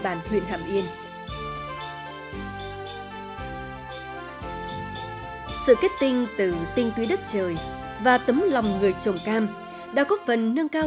bàn huyện hàm yên sự kết tinh từ tinh túy đất trời và tấm lòng người trồng cam đã góp phần nâng cao